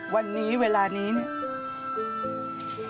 วันนี้เวลานี้เนี่ย